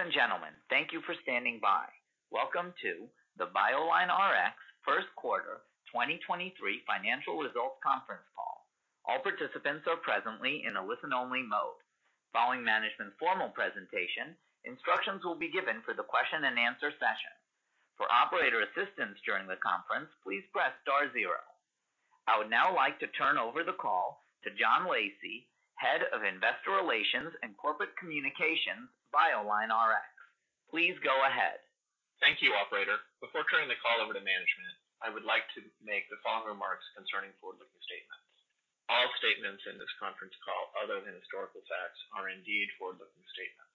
Ladies and gentlemen, thank you for standing by. Welcome to the BioLineRx first quarter 2023 financial results conference call. All participants are presently in a listen-only mode. Following management's formal presentation, instructions will be given for the question and answer session. For operator assistance during the conference, please press star zero. I would now like to turn over the call to John Lacey, Head of Investor Relations and Corporate Communications, BioLineRx. Please go ahead. Thank you, operator. Before turning the call over to management, I would like to make the following remarks concerning forward-looking statements. All statements in this conference call, other than historical facts, are indeed forward-looking statements.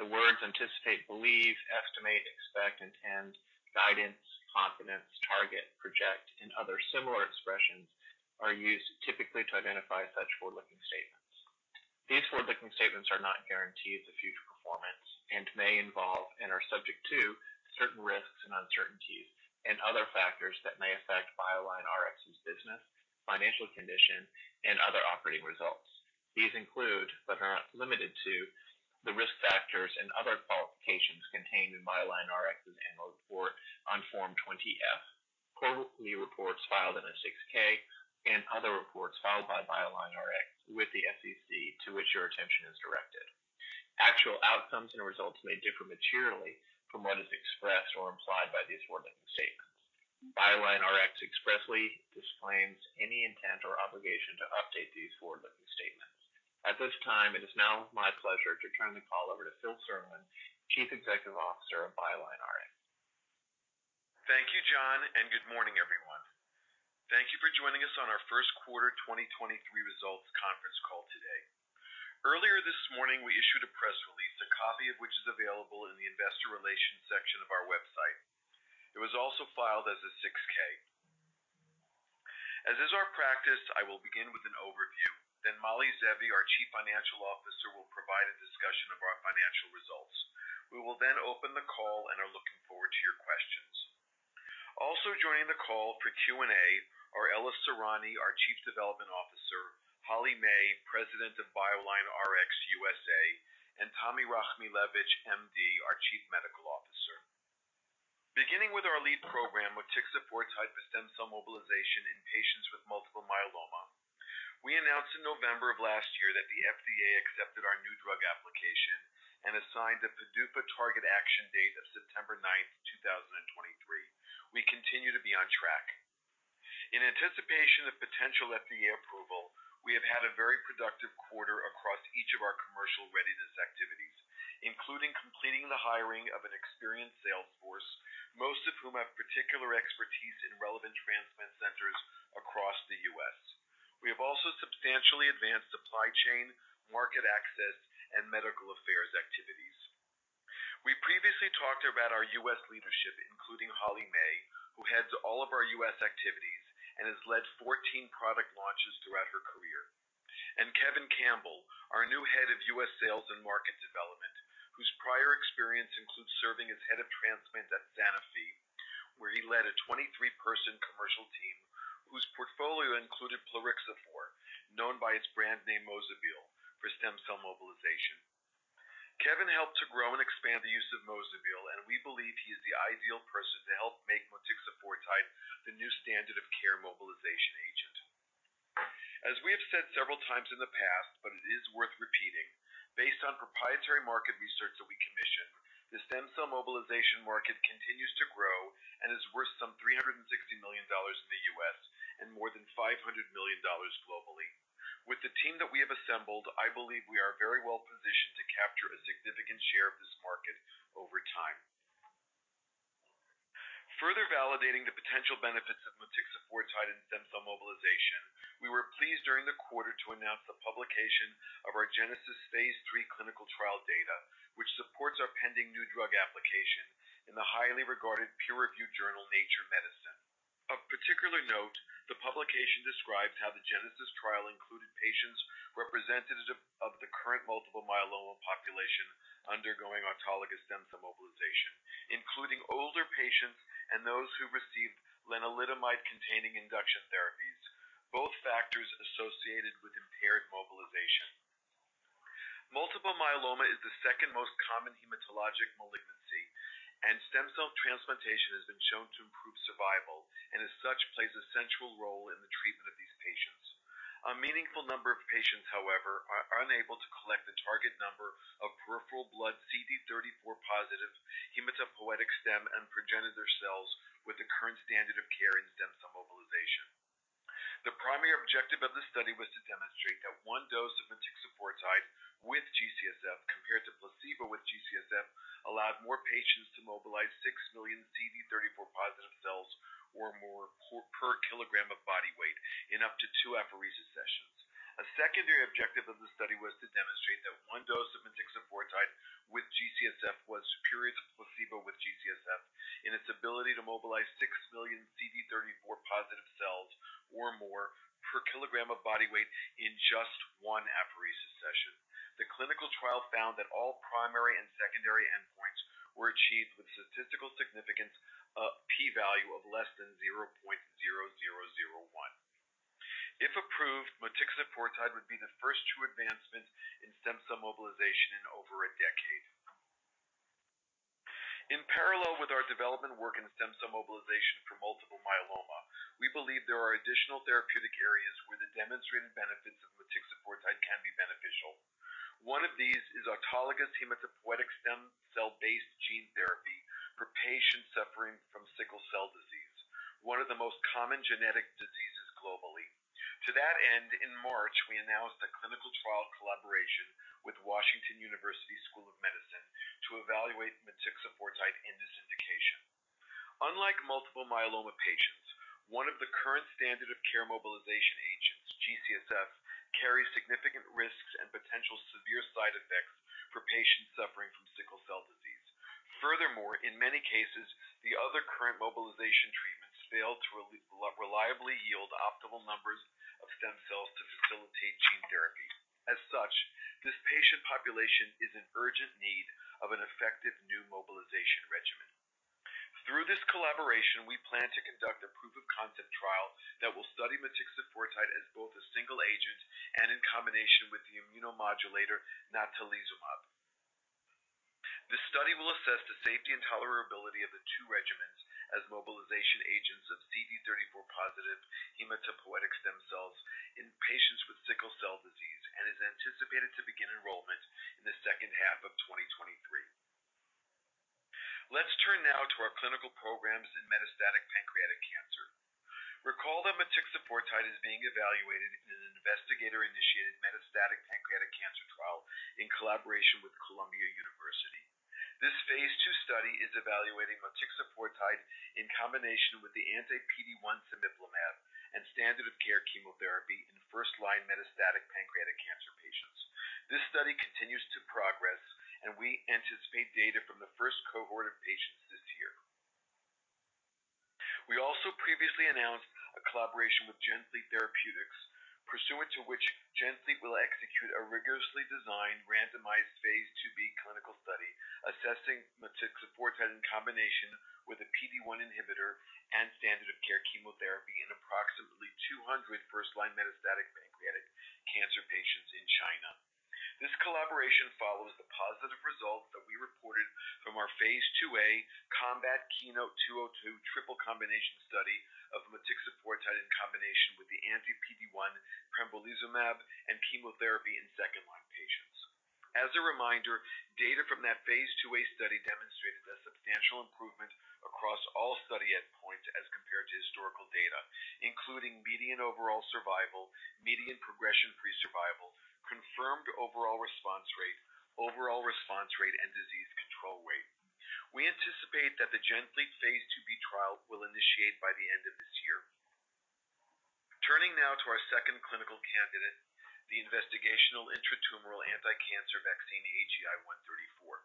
The words anticipate, believe, estimate, expect, intend, guidance, confidence, target, project, and other similar expressions are used typically to identify such forward-looking statements. These forward-looking statements are not guarantees of future performance and may involve, and are subject to, certain risks and uncertainties and other factors that may affect BioLineRx's business, financial condition, and other operating results. These include, but are not limited to, the risk factors and other qualifications contained in BioLineRx's annual report on Form 20-F, quarterly reports filed in a 6-K, and other reports filed by BioLineRx with the SEC, to which your attention is directed. Actual outcomes and results may differ materially from what is expressed or implied by these forward-looking statements. BioLineRx expressly disclaims any intent or obligation to update these forward-looking statements. At this time, it is now my pleasure to turn the call over to Philip Serlin, Chief Executive Officer of BioLineRx. Thank you, John. Good morning, everyone. Thank you for joining us on our first quarter 2023 results conference call today. Earlier this morning, we issued a press release, a copy of which is available in the investor relations section of our website. It was also filed as a 6-K. As is our practice, I will begin with an overview. Mali Zeevi, our Chief Financial Officer, will provide a discussion of our financial results. We will then open the call and are looking forward to your questions. Also joining the call for Q&A are Ella Sorani, our Chief Development Officer, Holly May, President of BioLineRx USA, and Tami Rachmilewitz, MD, our Chief Medical Officer. Beginning with our lead program, motixafortide for stem cell mobilization in patients with multiple myeloma, we announced in November of last year that the FDA accepted our new drug application and assigned a PDUFA target action date of September 9th, 2023. We continue to be on track. In anticipation of potential FDA approval, we have had a very productive quarter across each of our commercial readiness activities, including completing the hiring of an experienced sales force, most of whom have particular expertise in relevant transplant centers across the U.S. We have also substantially advanced supply chain, market access, and medical affairs activities. We previously talked about our U.S. leadership, including Holly May, who heads all of our U.S. activities and has led 14 product launches throughout her career. Kevin Campbell, our new Head of U.S. Sales and Market Development, whose prior experience includes serving as head of transplant at Sanofi, where he led a 23-person commercial team whose portfolio included Plerixafor, known by its brand name Mozobil, for stem cell mobilization. Kevin helped to grow and expand the use of Mozobil, and we believe he is the ideal person to help make motixafortide the new standard of care mobilization agent. We have said several times in the past, but it is worth repeating, based on proprietary market research that we commissioned, the stem cell mobilization market continues to grow and is worth some $360 million in the U.S. and more than $500 million globally. With the team that we have assembled, I believe we are very well positioned to capture a significant share of this market over time. Further validating the potential benefits of motixafortide in stem cell mobilization, we were pleased during the quarter to announce the publication of our GENESIS phase III clinical trial data, which supports our pending new drug application in the highly regarded peer-reviewed journal, Nature Medicine. Of particular note, the publication describes how the GENESIS trial included patients representative of the current multiple myeloma population undergoing autologous stem cell mobilization, including older patients and those who received lenalidomide-containing induction therapies, both factors associated with impaired mobilization. Multiple myeloma is the second most common hematologic malignancy, and stem cell transplantation has been shown to improve survival, and as such, plays a central role in the treatment of these patients. A meaningful number of patients, however, are unable to collect the target number of peripheral blood CD34+ hematopoietic stem and progenitor cells with the current standard of care in stem cell mobilization. The primary objective of the study was to demonstrate that one dose of motixafortide with GCSF compared to placebo with GCSF allowed more patients to mobilize 6 million CD34+ cells or more per kilogram of body weight in up to two apheresis sessions. A secondary objective of the study was to demonstrate that one dose of motixafortide with GCSF was superior to placebo with GCSF in its ability to mobilize 6 million CD34+ cells or more per kilogram of body weight in just one apheresis session. The clinical trial found that all primary and secondary endpoints were achieved with statistical significance, a P value of less than 0.0001. If aproved, motixafortide would be the first true advancement in stem cell mobilization in over a decade. In parallel with our development work in stem cell mobilization for multiple myeloma, we believe there are additional therapeutic areas where the demonstrated benefits of motixafortide can be beneficial. One of these is autologous hematopoietic stem cell-based gene therapy for patients suffering from sickle cell disease, one of the most common genetic diseases globally. To that end, in March, we announced a clinical trial collaboration with Washington University School of Medicine to evaluate motixafortide in this indication. Unlike multiple myeloma patients, one of the current standard of care mobilization agents, GCSF, carries significant risks and potential severe side effects for patients suffering from sickle cell disease. Furthermore, in many cases, the other current mobilization treatments fail to reliably yield optimal numbers of stem cells to facilitate gene therapy. As such, this patient population is in urgent need of an effective new mobilization regimen. Through this collaboration, we plan to conduct a proof-of-concept trial that will study motixafortide as both a single agent and in combination with the immunomodulator natalizumab. This study will assess the safety and tolerability of the two regimens as mobilization agents of CD34+ hematopoietic stem cells in patients with sickle cell disease, and is anticipated to begin enrollment in the second half of 2023. Let's turn now to our clinical programs in metastatic pancreatic cancer. Recall that motixafortide is being evaluated in an investigator-initiated metastatic pancreatic cancer trial in collaboration with Columbia University. This phase II study is evaluating motixafortide in combination with the anti-PD-1 cemiplimab and standard of care chemotherapy in first-line metastatic pancreatic cancer patients. We anticipate data from the first cohort of patients this year. We also previously announced a collaboration with GenFleet Therapeutics, pursuant to which GenFleet will execute a rigorously designed randomized phase II-B clinical study assessing motixafortide in combination with a PD-1 inhibitor and standard of care chemotherapy in approximately 200 first-line metastatic pancreatic cancer patients in China. This collaboration follows the positive results that we reported from our phase II-A COMBAT/KEYNOTE-202 triple combination study of motixafortide in combination with the anti-PD-1 pembrolizumab and chemotherapy in second-line patients. As a reminder, data from that phase II-A study demonstrated a substantial improvement across all study endpoints as compared to historical data, including median overall survival, median progression-free survival, confirmed overall response rate, overall response rate, and disease control rate. We anticipate that the GenFleet phase II-B trial will initiate by the end of this year. Turning now to our second clinical candidate, the investigational intratumoral anticancer vaccine, AGI-134.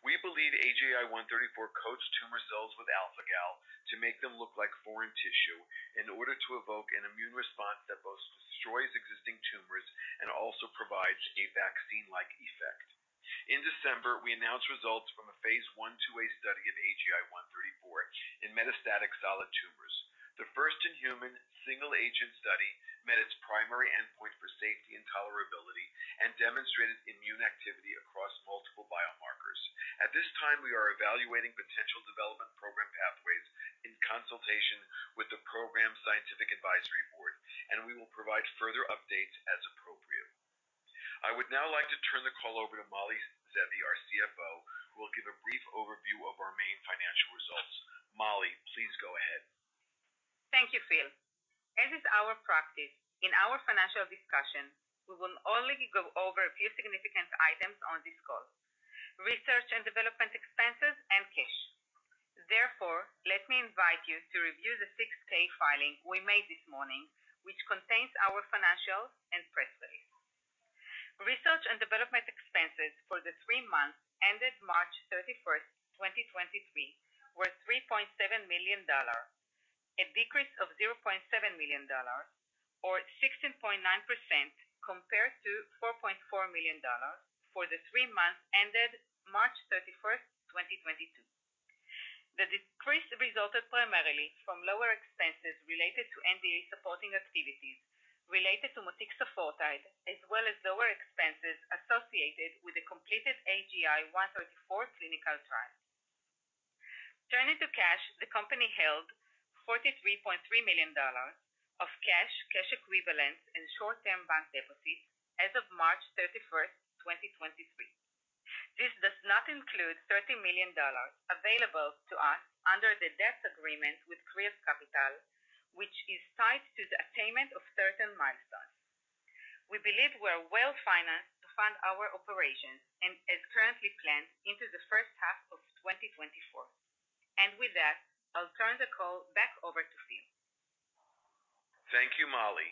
We believe AGI-134 coats tumor cells with alpha-Gal to make them look like foreign tissue in order to evoke an immune response that both destroys existing tumors and also provides a vaccine-like effect. In December, we announced results from a phase -phase II-A study of AGI-134 in metastatic solid tumors. The first in-human single-agent study met its primary endpoint for safety and tolerability and demonstrated immune activity across multiple biomarkers. At this time, we are evaluating potential development program pathways in consultation with the program scientific advisory board. We will provide further updates as appropriate. I would now like to turn the call over to Mali Zeevi, our CFO, who will give a brief overview of our main financial results. Mali, please go ahead. Thank you, Phil. As is our practice in our financial discussion, we will only go over a few significant items on this call: research and development expenses and cash. Let me invite you to review the 6-K filing we made this morning, which contains our financials and press release. Research and development expenses for the three months ended March 31st, 2023, were $3.7 million, a decrease of $0.7 million or 16.9% compared to $4.4 million for the three months ended March 31st, 2022. The decrease resulted primarily from lower expenses related to NDA supporting activities related to motixafortide, as well as lower expenses associated with the completed AGI-134 clinical trial. Turning to cash, the company held $43.3 million of cash equivalents, and short-term bank deposits as of March 31st, 2023. This does not include $30 million available to us under the debt agreement with Kreos Capital, which is tied to the attainment of certain milestones. We believe we are well-financed to fund our operations and as currently planned into the first half of 2024. With that, I'll turn the call back over to Phil. Thank you, Mali.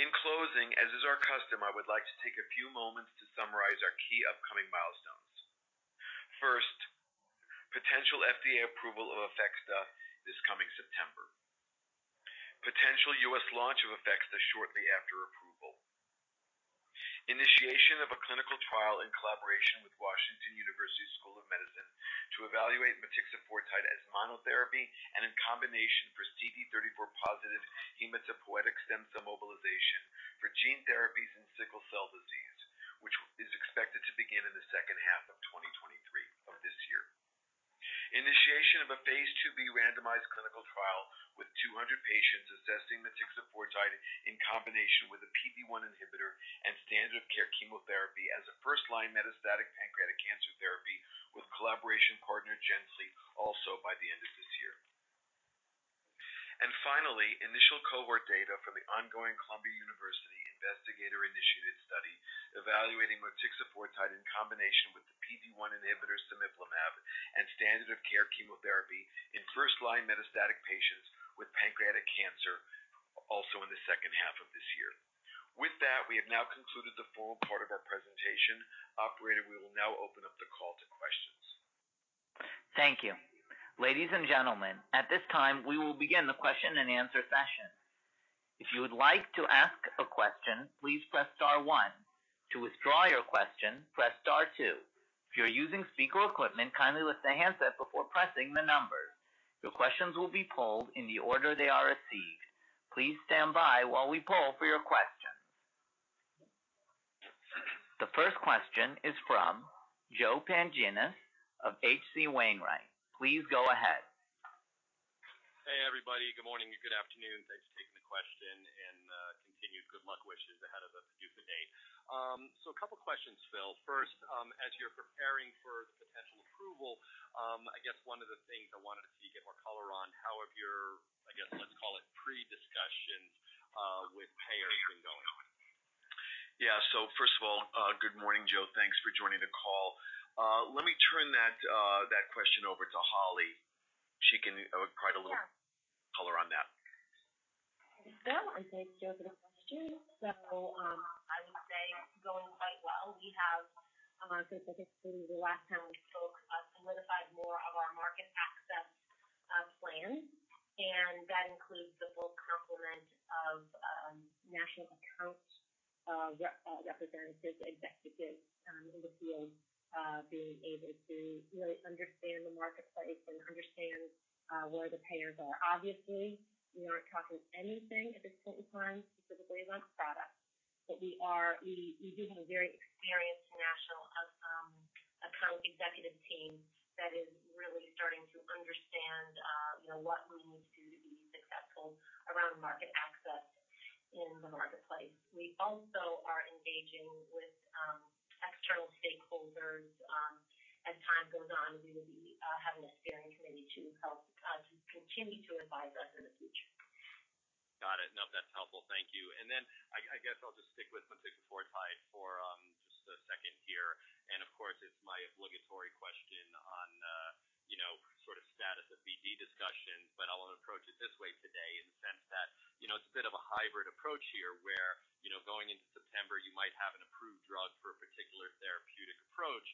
In closing, as is our custom, I would like to take a few moments to summarize our key upcoming milestones. First, potential FDA approval of APHEXDA this coming September. Potential U.S. launch of APHEXDA shortly after approval. Initiation of a clinical trial in collaboration with Washington University School of Medicine to evaluate motixafortide as monotherapy and in combination for CD34+ hematopoietic stem cell mobilization for gene therapies in sickle cell disease, which is expected to begin in the second half of 2023, of this year. Initiation of a phase II-B randomized clinical trial with 200 patients assessing motixafortide in combination with a PD-1 inhibitor and standard of care chemotherapy as a first-line metastatic pancreatic cancer therapy with collaboration partner GenFleet, also by the end of this year. Finally, initial cohort data from the ongoing Columbia University investigator-initiated study evaluating motixafortide in combination with the PD-1 inhibitor cemiplimab and standard of care chemotherapy in first-line metastatic patients with pancreatic cancer, also in the second half of this year. With that, we have now concluded the full part of our presentation. Operator, we will now open up the call to questions. Thank you. Ladies and gentlemen, at this time, we will begin the Q&A session. If you would like to ask a question, please press star one. To withdraw your question, press star two. If you're using speaker equipment, kindly lift the handset before pressing the numbers. Your questions will be polled in the order they are received. Please stand by while we poll for your question. The first question is from Joe Pantginis of H.C. Wainwright. Please go ahead. Hey, everybody. Good morning. Good afternoon. Thanks for taking the question. Continued good luck wishes ahead of the PDUFA date. A couple questions, Phil. First, as you're preparing for potential approval, I guess one of the things I wanted to get more color on, how have your, I guess, let's call it pre-discussion, with payers been going on? Yeah. First of all, good morning, Joe. Thanks for joining the call. Let me turn that question over to Holly. She can provide a little color on that. Thanks, Phil, and thanks, Joe, for the question. I would say it's going quite well. We have since I think the last time we spoke, solidified more of our market access plan, and that includes the full complement of national account representatives, executives, in the field, being able to really understand the marketplace and understand where the payers are. Obviously, we aren't talking anything at this point in time specifically about the product, but we do have a very experienced national account executive team that is really starting to understand, you know, what we need to do to be successful around market access in the marketplace. We also are engaging with external stakeholders. As time goes on, we will be having a steering committee to help to continue to advise us in the future. Got it. No, that's helpful. Thank you. I guess I'll just stick with motixafortide for just a second here. Of course, it's my obligatory question on, you know, sort of status of BD discussions, but I want to approach it this way today in the sense that, you know, it's a bit of a hybrid approach here where, you know, going into September, you might have an approved drug for a particular therapeutic approach.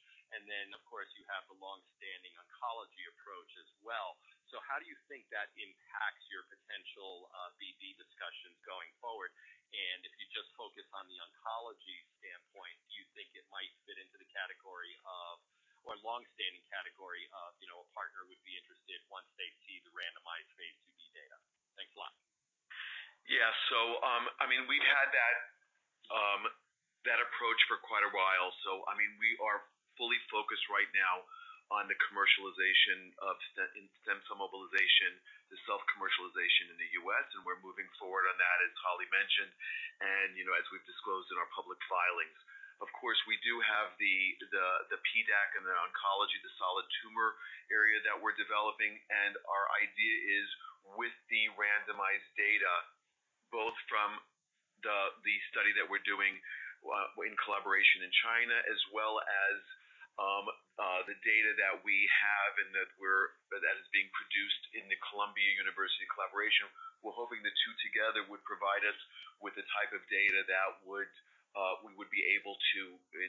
Of course, you have the long-standing oncology approach as well. How do you think that impacts your potential BD discussions going forward? If you just focus on the oncology standpoint, do you think it might fit into the category of or long-standing category of, you know, a partner would be interested once they see the randomized phase II-B data? Thanks a lot. I mean, we've had that approach for quite a while. I mean, we are fully focused right now on the commercialization of stem, in stem cell mobilization, the self-commercialization in the U.S., and we're moving forward on that, as Holly May mentioned, and, you know, as we've disclosed in our public filings. Of course, we do have the, the PDAC and the oncology, the solid tumor area that we're developing. Our idea is with the randomized data, both from the study that we're doing, in collaboration in China as well as, the data that we have and that is being produced in the Columbia University collaboration. We're hoping the two together would provide us with the type of data that would, we would be able to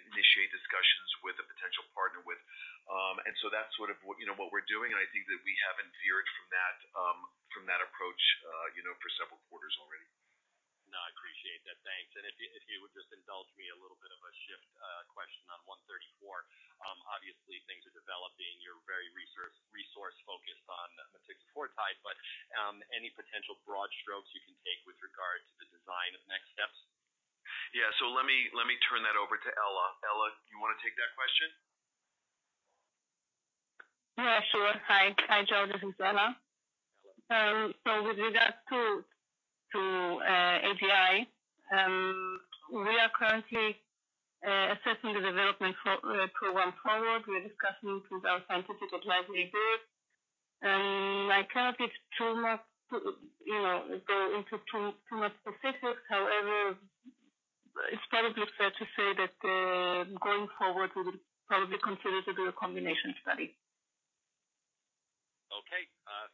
initiate discussions with a potential partner with. That's sort of what, you know, what we're doing. I think that we haven't veered from that, from that approach, you know, for several quarters already. No, I appreciate that. Thanks. If you, if you would just indulge me a little bit of a shift, question on 134. Obviously, things are developing. You're very resource focused on motixafortide, but, any potential broad strokes you can take with regard to the design of next steps? Yeah. Let me turn that over to Ella. Ella, do you wanna take that question? Yeah, sure. Hi. Hi, Joe. This is Ella. With regards to API, we are currently assessing the development for program forward. We're discussing with our scientific advisory group. I cannot give too much to, you know, go into too much specifics. However, it's probably fair to say that going forward, we will probably consider to do a combination study. Okay.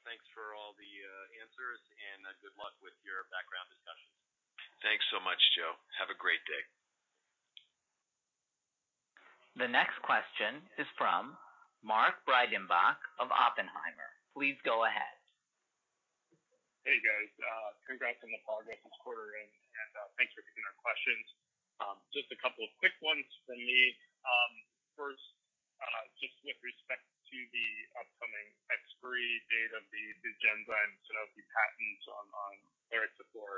thanks for all the answers, and good luck with your background discussions. Thanks so much, Joe. Have a great day. The next question is from Mark Breidenbach of Oppenheimer. Please go ahead. Hey guys, congrats on the progress this quarter and thanks for taking our questions. Just a couple of quick ones from me. First, just with respect to the upcoming expiry date of the Genzyme Sanofi patents on Plerixafor.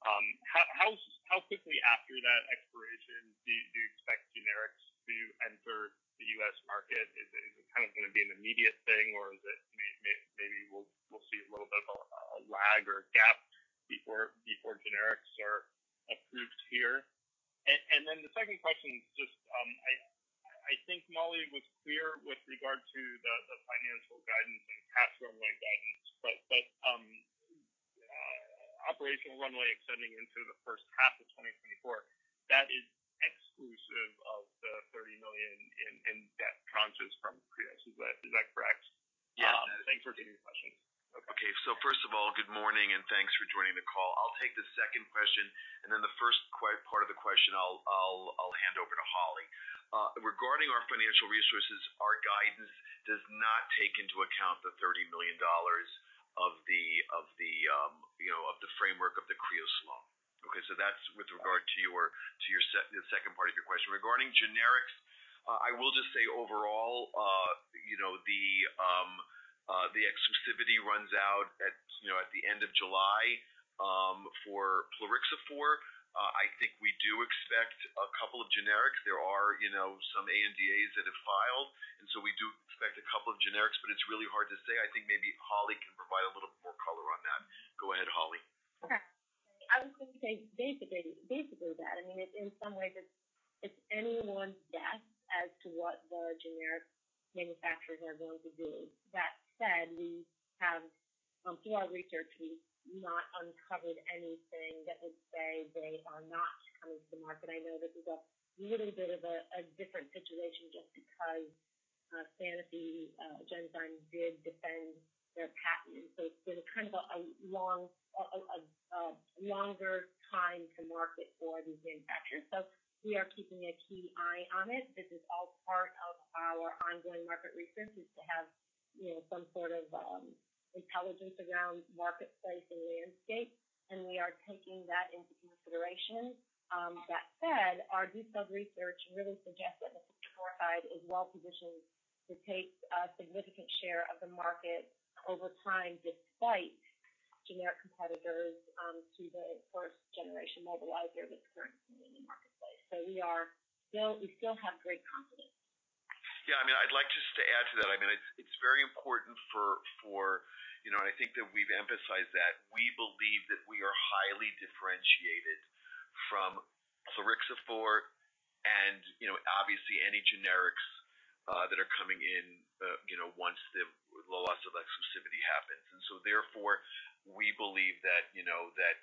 How quickly after that expiration do you expect generics to enter the U.S. market? Is it kind of gonna be an immediate thing, or is it maybe we'll see a little bit of a lag or a gap before generics are approved here? Then the second question is just, I think Mali was clear with regard to the financial guidance and cash runway guidance, but operational runway extending into the first half of 2024, that is exclusive of the $30 million in debt tranches from Kreos. Is that correct? Yeah. Thanks for taking the question. Okay. First of all, good morning and thanks for joining the call. I'll take the second question, and then the first part of the question I'll hand over to Holly. Regarding our financial resources, our guidance does not take into account the $30 million of the, of the, you know, of the framework of the Kreos law. Okay, so that's with regard to your, to your the second part of your question. Regarding generics, I will just say overall, you know, the exclusivity runs out at, you know, at the end of July, for Plerixafor. I think we do expect a couple of generics. There are, you know, some ANDAs that have filed, and so we do expect a couple generics, but it's really hard to say. I think maybe Holly can provide a little more color on that. Go ahead, Holly. Okay. I was gonna say basically that. I mean, in some ways it's anyone's guess as to what the generic manufacturers are going to do. That said, we have through our research, we've not uncovered anything that would say they are not coming to the market. I know this is a little bit of a different situation just because Genzyme Sanofi did defend their patents. It's been kind of a longer time to market for these manufacturers. We are keeping a key eye on it. This is all part of our ongoing market research, is to have, you know, some sort of intelligence around marketplace and landscape, and we are taking that into consideration. That said, our detailed research really suggests that the Plerixafor side is well-positioned to take a significant share of the market over time, despite generic competitors to the first generation mobilizer that's currently in the marketplace. We still have great confidence. Yeah, I mean, I'd like just to add to that. I mean, it's very important for. You know, and I think that we've emphasized that. We believe that we are highly differentiated from Plerixafor and, you know, obviously any generics that are coming in, you know, once the loss of exclusivity happens. Therefore, we believe that, you know, that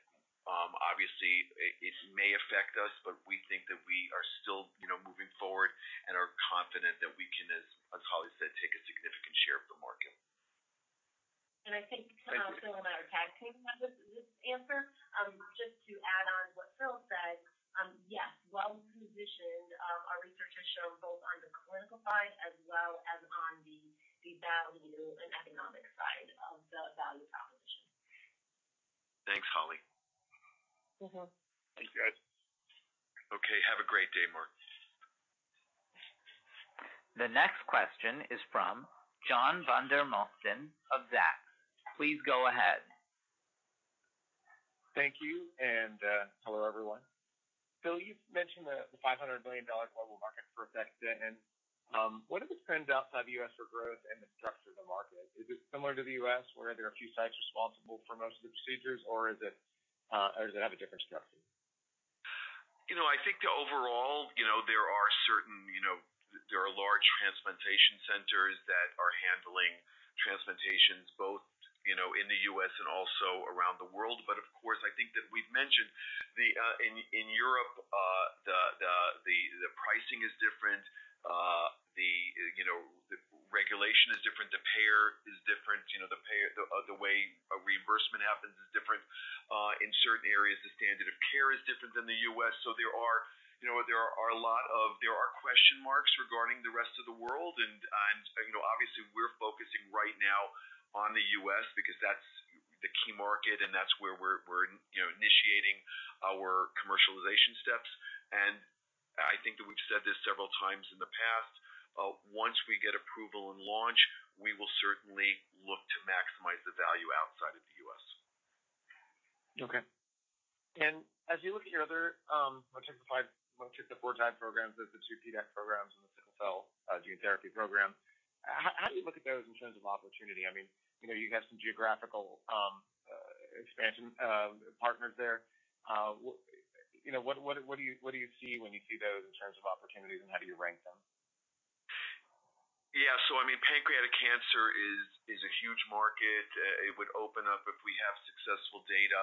obviously it may affect us, but we think that we are still, you know, moving forward and are confident that we can, as Holly said, take a significant share of the market. I think. Thank you. Phil and I are tag-teaming on this answer. Just to add on what Phil said, yes, well-positioned. Our research has shown both on the clinical side as well as on the value and economic side of the value proposition. Thanks, Holly. Thank you, guys. Okay. Have a great day, Mark. The next question is from John Vandermosten of Zacks. Please go ahead. Thank you, hello everyone. Phil, you've mentioned the $500 million global market for APHEXDA. What are the trends outside the U.S. for growth and the structure of the market? Is it similar to the U.S., where there are a few sites responsible for most of the procedures, or does it have a different structure? You know, I think the overall, you know, there are certain. There are large transplantation centers that are handling transplantations both, you know, in the U.S. and also around the world. Of course, I think that we've mentioned the, in Europe, the pricing is different. The, you know, the regulation is different. The payer is different. You know, the way a reimbursement happens is different. In certain areas, the standard of care is different than the U.S. There are, you know what, there are a lot of question marks regarding the rest of the world. You know, obviously we're focusing right now on the U.S. because that's the key market and that's where we're, you know, initiating our commercialization steps. I think that we've said this several times in the past, once we get approval and launch, we will certainly look to maximize the value outside of the U.S. Okay. As you look at your other motixafortide programs with the two PDAC programs and the cell gene therapy program, how do you look at those in terms of opportunity? I mean, you know, you have some geographical expansion partners there. You know, what do you see when you see those in terms of opportunities, and how do you rank them? Yeah. I mean, pancreatic cancer is a huge market. It would open up if we have successful data,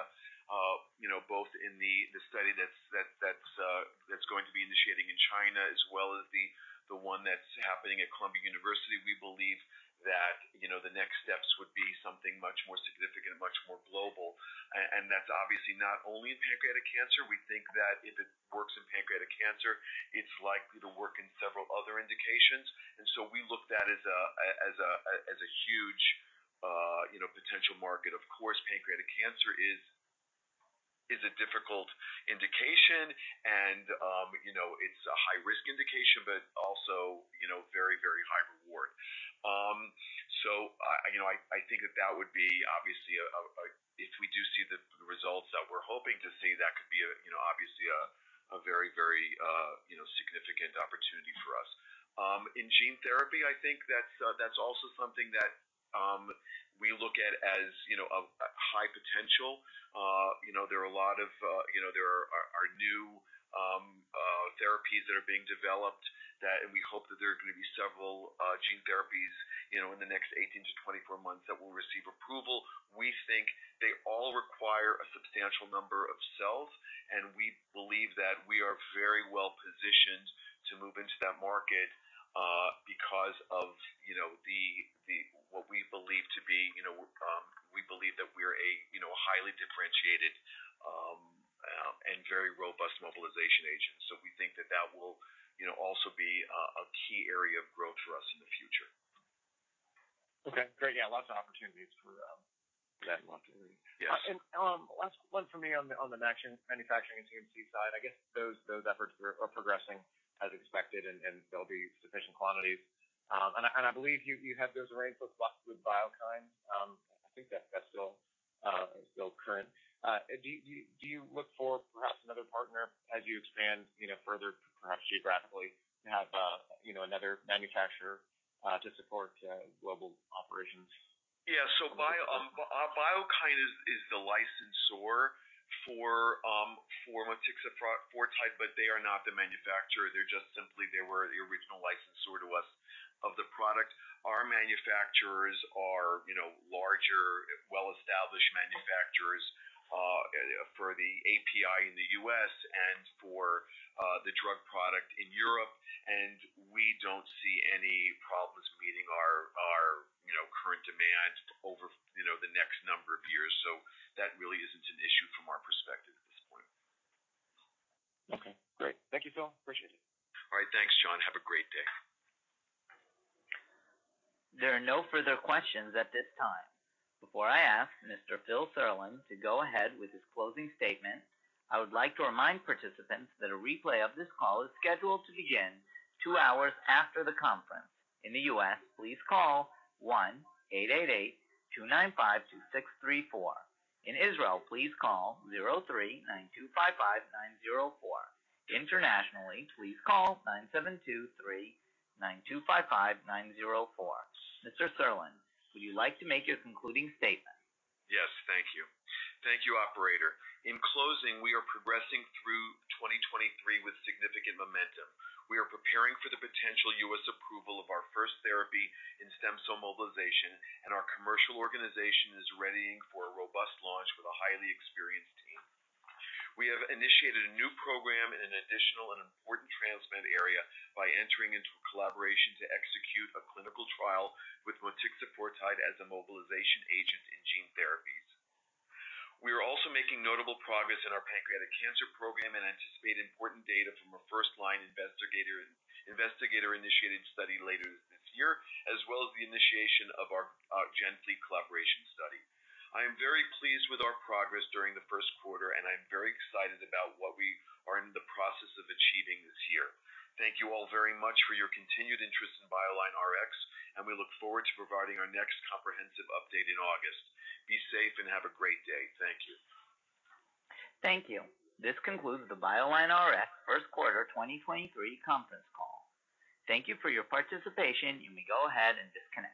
you know, both in the study that's going to be initiating in China as well as the one that's happening at Columbia University. We believe that, you know, the next steps would be something much more significant and much more global. That's obviously not only in pancreatic cancer. We think that if it works in pancreatic cancer, it's likely to work in several other indications. So we look that as a huge, you know, potential market. Of course, pancreatic cancer is a difficult indication and, you know, it's a high risk indication, but also, you know, very high reward. I, you know, I think that that would be obviously a. If we do see the results that we're hoping to see, that could be a, you know, obviously a very, very, you know, significant opportunity for us. In gene therapy, I think that's also something that, we look at as, you know, a high potential. You know, there are a lot of, you know, there are new therapies that are being developed that, and we hope that there are gonna be several gene therapies, you know, in the next 18 to 24 months that will receive approval. We think they all require a substantial number of cells. We believe that we are very well positioned to move into that market, because of, you know, what we believe to be, you know, we believe that we're a highly differentiated and very robust mobilization agent. We think that that will, you know, also be a key area of growth for us in the future. Okay, great. Yeah, lots of opportunities for that. Yes. the manufacturing and CMC side, I guess those efforts are progressing as expected and there'll be sufficient quantities. I believe you have those arrangements with Biokine. I think that that's still still current. Do you look for perhaps another partner as you expand, you know, further perhaps geographically to have, you know, another manufacturer to support global operations? Biokine is the licensor for motixafortide, but they are not the manufacturer. They were the original licensor to us of the product. Our manufacturers are, you know, larger, well-established manufacturers, for the API in the U.S. and for the drug product in Europe, and we don't see any problems meeting our, you know, current demand over, you know, the next number of years. That really isn't an issue from our perspective at this point. Okay, great. Thank you, Phil. Appreciate it. All right. Thanks, John. Have a great day. There are no further questions at this time. Before I ask Mr. Phil Serlin to go ahead with his closing statement, I would like to remind participants that a replay of this call is scheduled to begin two hours after the conference. In the U.S., please call 1-888-295-2634. In Israel, please call 03-925-5904. Internationally, please call 9723-925-5904. Mr. Serlin, would you like to make your concluding statement? Yes, thank you. Thank you, operator. In closing, we are progressing through 2023 with significant momentum. We are preparing for the potential U.S. approval of our first therapy in stem cell mobilization, and our commercial organization is readying for a robust launch with a highly experienced team. We have initiated a new program in an additional and important transplant area by entering into a collaboration to execute a clinical trial with motixafortide as a mobilization agent in gene therapies. We are also making notable progress in our pancreatic cancer program and anticipate important data from a first-line investigator-initiated study later this year, as well as the initiation of our GenFleet collaboration study. I am very pleased with our progress during the first quarter, and I'm very excited about what we are in the process of achieving this year. Thank you all very much for your continued interest in BioLineRx, and we look forward to providing our next comprehensive update in August. Be safe and have a great day. Thank you. Thank you. This concludes the BioLineRx first quarter 2023 conference call. Thank you for your participation. You may go ahead and disconnect.